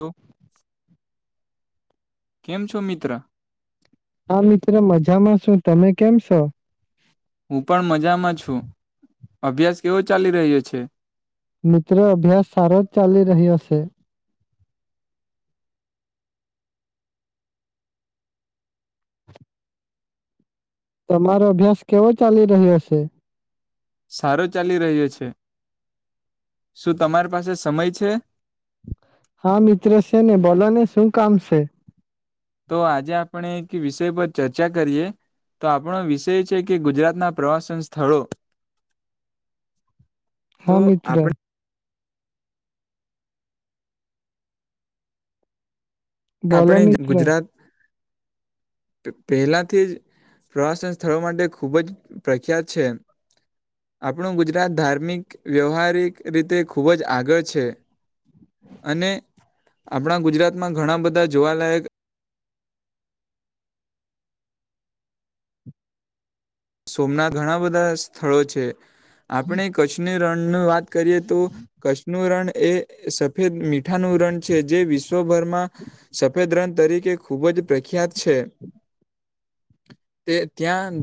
તો કેમ છો મિત્ર હા મિત્રો મજામાં શું તમે કેમ છો હું પણ મજામાં છું અભ્યાસ કેવો ચાલી રહ્યો છે મિત્ર અભ્યાસ સાર જ ચાલી રહીશે તમારો અભ્યાસ કેવો ચાલી રહ્યો હશે સારો ચાલી રહ્યો છે શું તમારી પાસે સમય છે હા મિત્ર છે ને બોલો ને શું કામ છે તો આજે આપણે એક વિષય પર ચર્ચા કરીએ તો આપણો વિષય છે કે ગુજરાતના પ્રવાસન સ્થળો તો હા મિત્ર આપણે બોલો આપણે મિત્ર ગુજરાત પહેલાંથી જ પ્રવાસન સ્થળો માટે ખૂબ જ પ્રખ્યાત છે આપણું ગુજરાત ધાર્મિક વ્યવહારિક રીતે ખૂબ જ આગળ છે અને આપણા ગુજરાતમાં ઘણા બધા જોવાલાયક સોમના ઘણા બધા સ્થળો છે આપણે કચ્છની રણની વાત કરીએ તો કચ્છ નું રણ એ સફેદ મીઠાનું રણ છે જે વિશ વિશ્વભરમાં સફેદ રન તરીકે ખૂબ જ પ્રખ્યાત છે તે ત્યાં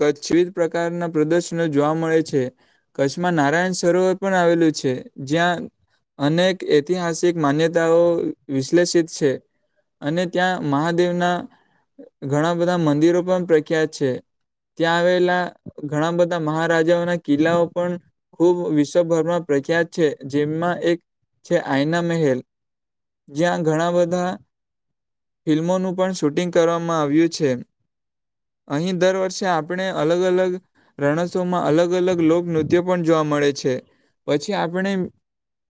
કચ્છવીધ પ્રકારના પ્રદર્શનો જોવા મળે છે કચ્છમાં નારાયણ સરોવર પણ આવેલું છે જ્યાં અનેક ઐતિહાસિક માન્યતાઓ વિશ્લેષિત છે અને ત્યાં મહાદેવના ઘણા બધા મંદિરો પણ પ્રખ્યાત છે ત્યાં આવેલા ઘણા બધા મહારાજાઓના કિલ્લાઓ પણ ખૂબ વિશ્વભરમાં પ્રખ્યાત છે જેમાં એક છે આયના મહેલ જ્યાં ઘણા બધા ફિલ્મોનું પણ શૂટિંગ કરવામાં આવ્યું છે અહીં દર વર્ષે આપણે અલગ અલગ રણસોમાં અલગ અલગ લોકનૃત્ય પણ જોવા મળે છે પછી આપણે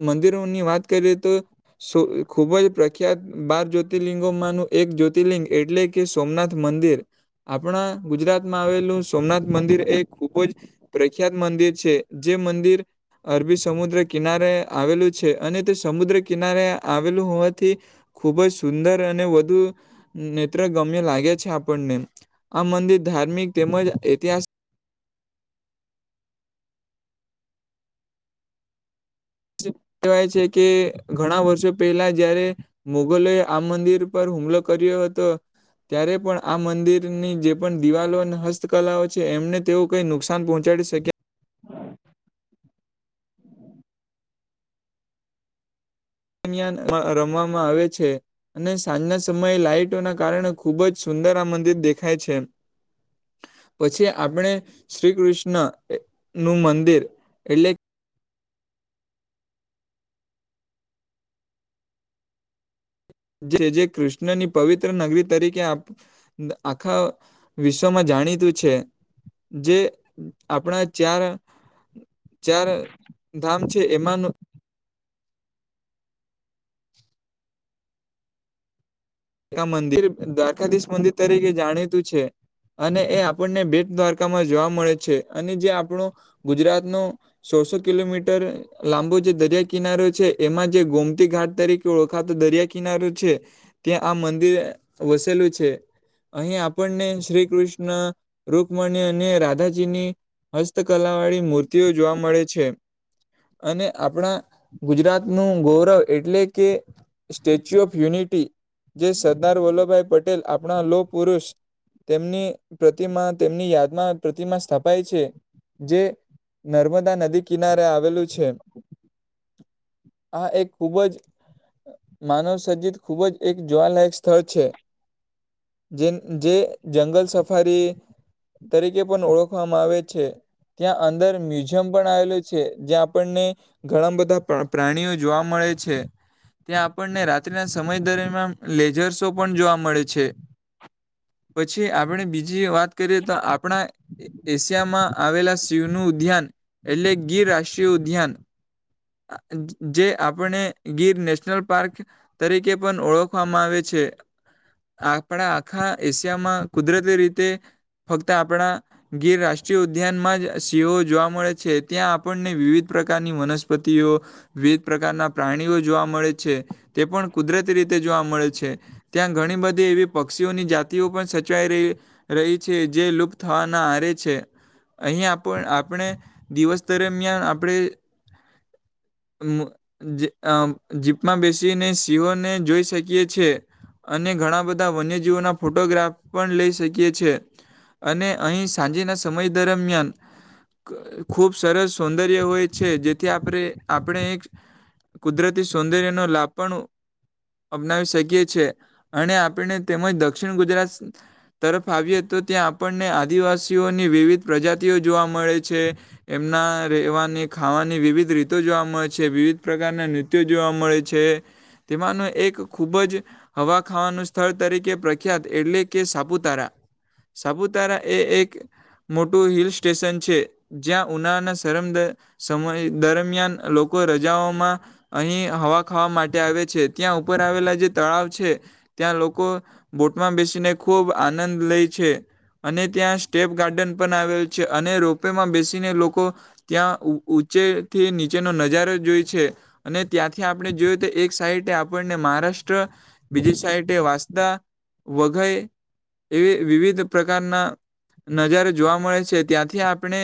મંદિરોની વાત કરીએ તો ખૂબ જ પ્રખ્યાત બાર જ્યોતિર્લિંગોમાંનું એક જ્યોતિર્લિંગ એટલે કે સોમનાથ મંદિર આપણા ગુજરાત માં આવેલું સોમનાથ મંદિર એ ખુબ જ પ્રખ્યાત મંદિર છે જે મંદિર અરબી સમુદ્ર કિનારે આવેલું છે અને તે સમુદ્ર કિનારે આવેલું હોવાથી ખુબ જ સુંદર અને વધુ નેત્ર ગમ્ય લાગે છે આપણને આ મંદિર ધાર્મિક તેમજ ઐતિહાસિક કહેવાય છે કે ઘણા વર્ષો પહેલા જયારે મુગલોએ આ મંદિર પર હુમલો કર્યો હતો ત્યારે પણ આ મંદિરની જે પણ દિવાલો અને હસ્તકલાઓ છે એમને તેઓ કઈ નુકસાન પહોંચાડી શક્યા દરમિયાન રમવામાં આવે છે અને સાંજના સમયે લાાઈટોના કારણે ખૂબ જ સુંદર આ મંદિર દેખાય છે. પછી આપણે શ્રી કૃષ્ણ નું મંદિર એટલે જે જે કૃષ્ણની પવિત્ર નગરી તરીકે આપ આખા વિશ્વમાં જાણીતુ છે. જે આપણા ચાર ચાર ધામ છે, એમાંનુ આ મંદિર દ્વારકાધીશ મંદિર તરીકે જાણીતું છે. અને એ આપણને બેટ દ્વારકામાં જોવા મળે છે, અને જે આપણું ગુજરાત નો સોડ સો કિલોમીટર લાંબો જે દરિયા કિનારો છે એમાં જે ગોમતી ઘાટ તરીકે ઓળખાતો દરિયા કિનારો છે. ત્યા આ મંદિર વસેલુ છે. અહીં આપણને શ્રી કૃષ્ણ રુકમણી અને રાધાજીની હસ્તકલા વાળી મૂર્તિઓ જોવા મળે છે, અને આપણા ગુજરાતનુ ગૌરવ એટલે કે સ્ટેચ્યુ ઓફ યુનિટી જે સરદાર વલ્લભભાઈ પટેલ આપણા લોહ પુરુષ તેમની પ્રતિમા તેમની યાદમાં પ્રતિમા સ્થપાય છેજે નર્મદા નદી કિનારે આવેલુ છે. આ એક ખૂબ જ માનવ સર્જીત ખૂબજ એક જોવાલાયક સ્થળ છેજે જે જંગલ સફારી તરીકે પણ ઓળખવામાં આવે છે. ત્યાં અંદર મ્યુઝિયમ પણ આવેલું છે, જ્યા આપણને ઘણા બધા પ્રાણીઓ જોવા મળે છે, ત્યાં આપણને રાત્રિના સમય દરમ્યાન લેઝર શો પણ જોવા મળે છે. પછી આપણે બીજી વાત કરીએ તો આપણા એશિયામાં આવેલા સિંહનુ ઉદ્યાન એટલે ગીર રાષ્ટ્રીય ઉદ્યાન જે આપણે ગીર નેશનલ પાર્ક તરીકે પણ ઓળખ વામા આવે છે, આપણા આખા એશિયામાં કુદરતી રીતે ફક્ત આપણા ગીર રાષ્ટ્રીય ઉદ્યાનમાં જ સિંહો જોવા મળે છે, ત્યાં આપણને વિવિધ પ્રકારની વનસ્પતિઓ વિવિધ પ્રકારના પ્રાણીઓ જોવા મળે છે, તે પણ કુદરતી રીતે જોવા મળે છે. ત્યાં ઘણી બધી એવી પક્ષીઓની જાતિઓ પણ સચવાઈ રહી. રહી છેજે, લુપ્ત થવાના આરે છે. અહીં આપ આપણે દિવસ દરમિયાન આપણે મુ જીપમાં બેસીને સિંહોને જોઈ શકીએ છીએ. અને ઘણા બધા વન્યજીવોના ફોટોગ્રાફ પણ લઈ શકીએ છીએ. અને અહીં સાંજેના સમય દરમિયાન ખૂબ સરસ સૌંદર્ય હોય છે, જે થી આપણે આપણે એક કુદરતી સૌંદર્ય નો લાભ પણ અપનાવી શકીએ છીએ અને આપને તેમજ દક્ષિણ ગુજરાત. તરફ આવીએ તો ત્યાં આપણને આદિવાસીઓની વિવિધ પ્રજાતિઓ જોવા મળે છે. એમના રહેેવાની ખાવાની ની વિવિધ રીતો જોવા મળે છે, વિવિધ પ્રકારના નૃત્યો જોવા મળે છે. તેમાંનું એક ખૂબજ હવા ખાવાનું સ્થળ તરીકે પ્રખ્યાત એટલે કે સાપુતારા સાપુતારા એ એક મોટું હિલ સ્ટેશન છે, જ્યાં ઉનાળાના શમ સમય દરમિયાન લોકો રજાઓમા અહીં હવા ખાવા માટે આવે છે, ત્યાં ઉપર આવેલા જે તળાવ છે. ત્યાં લોકો બોટમાં બેસીને ખૂબ આનંદ લે છે. અને ત્યાં સ્ટેપ ગાર્ડન પણ આવેલ છે, અને રોપેમાં બેસીને લોકો ત્યા ઊંચે થી નીચેનો નજારો જોઈ છે. અને ત્યાંથી આપણે જોયુ, તો એક સાઈડ આપણને મહારાષ્ટ્ર બીજી સાઈડ વાંસદા, વઘઈ એવી વિવિધ પ્રકારના નજારો જોવા મળે છે ત્યાંથી આપણે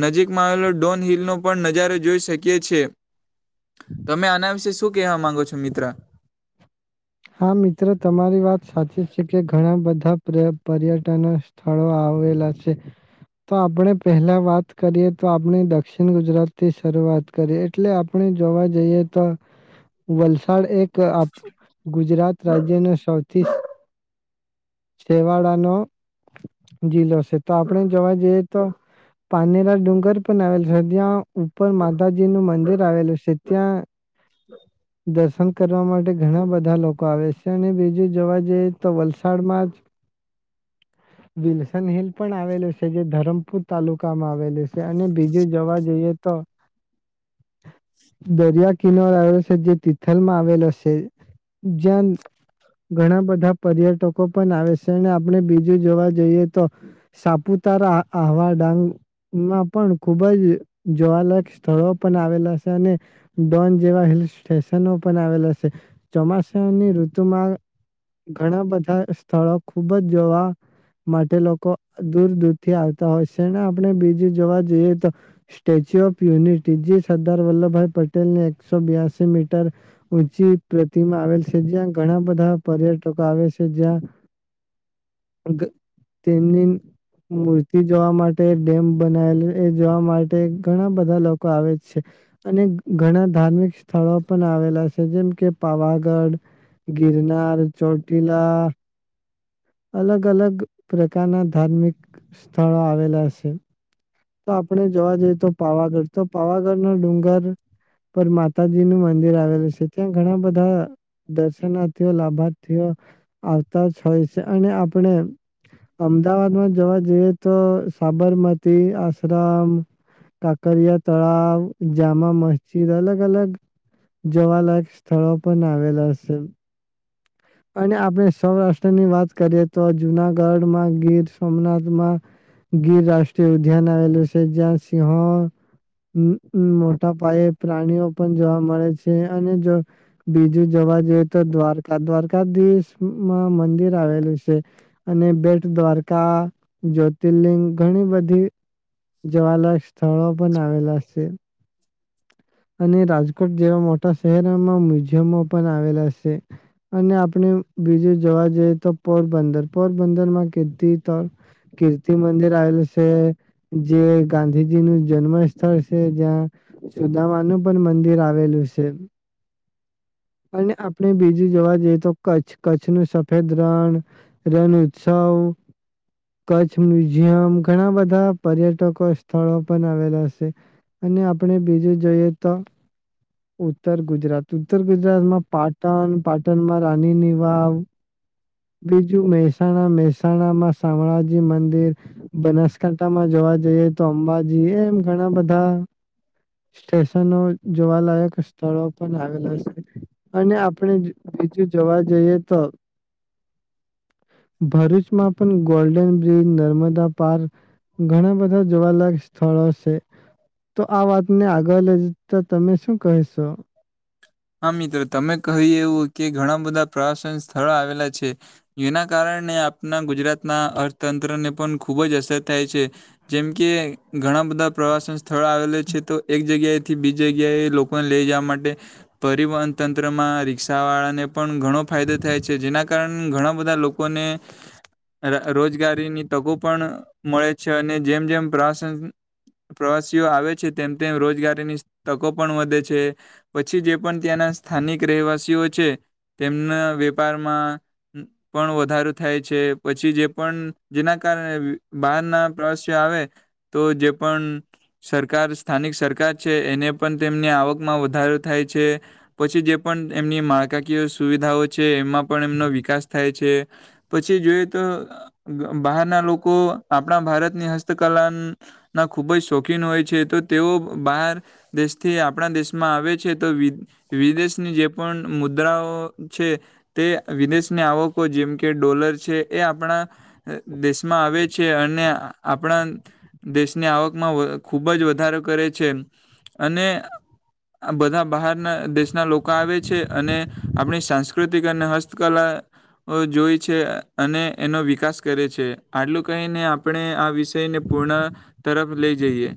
નજીકમાં આવેલો ડોન હિલનો પણ નજારો જોઈ શકીએ છે, તમે આના વિશે શું કહેવા માંગો છો મિત્ર હા, મિત્રો તમારી વાત સાચી છે કે ઘણા બધા પર્યટન સ્થળો આવેલા છે તો આપણે પહેલા વાત કરીએ તો આપણી દક્ષિણ ગુજરાત થી શરૂઆત કરી એટલે આપણે જોવા જઈએ તો [inaudible] વલસાડ એક આપડુ ગુજરાત રાજ્યને સૌથી છેવાડાનો જીલો છે તો આપણે જોવા જઈએ તો પારનેરા ડુંગર પણ આવેલ છે જ્યાં ઉપર માતાજી નું મંદિર આવેલું છે ત્યાં દર્શન કરવા માટે ઘણા બધા લોકો આવે સે અને બીજું જોવા જઈએ તો વલસાડમાં જ વિલ્સન હિલ પણ આવેલું છે જે ધરમપુર તાલુકામાં આવેલુ છે અને બીજું જોવા જઈએ તો દરિયા કિનાર આવેલો છે જે તિથલ માં આવેલો છે જન ઘણા બધા પર્યટકો પણ આવે સે અને આપણે બીજું જોવા જઈએ તો સાપુતારા, આહવા, ડાંગ માં પણ ખુબ જ જોવાલાયક સ્થળો પણ આવેલા છે અને ડોન જેવા હિલ સ્ટેશનો પણ આવેલા સે ચોમાસાની ઋતુમાં ઘણા બધા સ્થળો ખુબ જ જોવા માટે લોકો દૂર દૂરથી આવતા હોય સે ને આપણે બીજું જોવા જઈએ તો સ્ટેચ્યુ ઓફ યુનિટી જે સરદાર વલ્લભભાઈ પટેલને એકસો બ્યાસી મીટર ઊંચી પ્રતિમા આવેલ છે જ્યાં ઘણા બધા પર્યટકો આવે છે જ્યાં તેમની મૂર્તિ જોવા માટે ડેમ બનાયલ એ જોવા માટે ઘણા બધા લોકો આવે છે અને ઘણા ધાર્મિક સ્થળો પણ આવેલા છે જેમ કે પાવાગઢ, ગિરનાર, ચૌટીલા અલગ અલગ પ્રકારના ધાર્મિક સ્થળો આવેલા સે તો આપણે જોવા જઈએ તો પાવાગઢ તો પાવાગઢ નો ડુંગર પર માતાજી નું મંદિર આવેલું છે ત્યાં ઘણા બધા દર્શનાથે લાભાર્થીયો આવતા જ હોય છે અને આપણે અમદાવાદ માં જોવા જઈએ તો સાબરમતી આશ્રમ કાકરિયા તળાવ જામા મસ્જિદ અલગ અલગ જોવાલાયક સ્થળો પણ આવેલા છે અને આપણે સૌરાષ્ટ્ર ની વાત કરીએ તો જુનાગઢમાં ગીર સોમનાથમાં ગીર રાષ્ટ્રીય ઉદ્યાન આવેલું છે જ્યાં સિંહો હ, મોટા પાયે પ્રાણીઓ પણ જોવા મળે છે અને જો બીજું જોવા જઈએ તો દ્વારકા, દ્વારકાધીશમાં મંદિર આવેલું સે અને બેટ દ્વારકા, જ્યોતિર્લિંગ ઘણી બધી જોવાલાયક સ્થળો પણ આવેલા શે અને રાજકોટ જેવા મોટા શહેરોમાં મ્યુઝિયમો પણ આવેલા છે અને આપણે બીજું જોવા જઈએ તો પોરબંદર, પોરબંદર માં કે કીર્તિ મંદિર આવેલું સે જે ગાંધીજી નું જન્મ સ્થળ છે જ્યાં નવાનું પણ મંદિર આવેલું સે અને આપણે બીજું જોવા જઈએ તો કચ્છ, કચ્છ નુ સફેદ રણ રણ ઉત્સવ કચ્છ મ્યુઝિયમ ઘણા બધા પર્યટકો સ્થળો પણ આવેલા છે. અને આપણે બીજું જોઈએ તો ઉત્તર ગુજરાત ઉત્તર ગુજરાતમાં પાટણ પાટણમાં રાણીની વાવ બીજું મહેસાણા મહેસાણા માં શામળાજી મંદિર બનાસકાંઠામાં જોવા જઈએ તો અંબાજીએ એમ ઘણા બધા સ્ટેશનો જોવાલાયક સ્થળો પણ આવેલા છે. અને આપણે બીજું જોવા જઈએ તો ભરૂચમાં પણ ગોલ્ડન બ્રિજ નર્મદા પાર્ક ઘણા બધા જોવાલાયક સ્થળો છે. તો આ વાતને આગળ લઈ જતા તમે શું કહેશો? હા મિત્રો તમે કહી એવું કે ઘણા બધા પ્રવાસન સ્થળો આવેલા છે. જેના કારણે આપણા ગુજરાતના અર્થતંત્રને પણ ખૂબ જ અસર થાય છે. જેમ કે ઘણા બધા પ્રવાસન સ્થળો આવેલા છે તો એક જગ્યાએથી બીજી જગ્યાએ લોકો લઈ જવા માટે [unintelligible] પરિવહન તંત્રમાં રિક્ષાવાળાને પણ ઘણો ફાયદો થાય છે જેના કારણે ઘણા બધા લોકો લોકો ને રોજગારીની તકો પણ મળે છે અને જેમ જેમ પ્રવાસન પ્રવાસીઓ આવે છે તેમ તેમ રોજગારીની તકો પણ વધે છે પછી જે પણ ત્યાંના સ્થાનિક રહેવાસીઓ છે તેમના વેપારમાં પણ વધારો થાય છે પછી જે પણ જેના કારણે બહારના પ્રવાસીઓ આવે તો જે પણ સરકાર સ્થાનિક સરકાર છે એને પણ તેમની આવકમાં વધારો થાય છે. પછી જે પણ એમની માળખાકીય સુવિધાઓ છે એમાં પણ એમનો વિકાસ થાય છે. પછી જોઈએ તો બહારના લોકો આપણા ભારતની હસ્તકલા ના ખૂબ જ શોખીન હોય છે તો તેઓ બહાર દેશથી આપણા દેશમાં આવે છે. તો વિદેશની જે પણ મુદ્રાઓ છે તે વિદેશની આવકો જેમ કે ડોલર છે એ આપણા દેશમાં આવે છે અને આપણા દેશની આવકમાં ખૂબ જ વધારો કરે છે અને આ બધા બહારના દેશના લોકો આવે છે અને આપણી સાંસ્કૃતિક અને હસ્તકલા જોઈ છે અને એનો વિકાસ કરે છે આટલું કહીને આપણે આ વિષયને પૂર્ણ તરફ લઈ જઈએ.